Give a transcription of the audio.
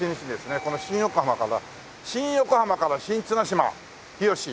この新横浜から新横浜から新綱島日吉